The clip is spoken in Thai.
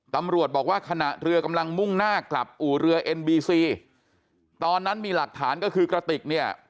ตำรวจบอกว่าขณะเรือกำลังมุ่งหน้ากลับอู่เรือเอ็นบีซีตอนนั้นมีหลักฐานก็คือกระติกเนี่ย